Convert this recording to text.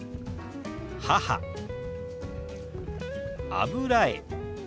「油絵」。